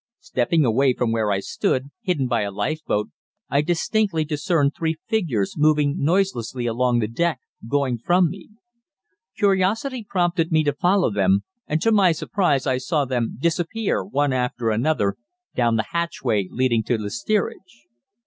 Stepping away from where I stood, hidden by a life boat, I distinctly discerned three figures moving noiselessly along the deck, going from me. Curiosity prompted me to follow them, and to my surprise I saw them disappear one after another down the hatchway leading to the steerage.